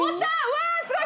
わあすごい！